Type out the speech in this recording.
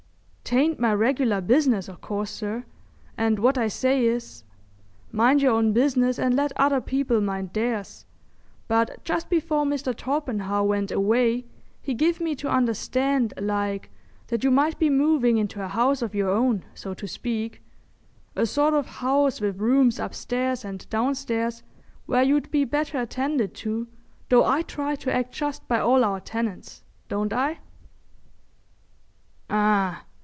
"'Tain't my regular business, o' course, sir; and what I say is, "Mind your own business and let other people mind theirs;" but just before Mr. Torpenhow went away he give me to understand, like, that you might be moving into a house of your own, so to speak—a sort of house with rooms upstairs and downstairs where you'd be better attended to, though I try to act just by all our tenants. Don't I?" "Ah!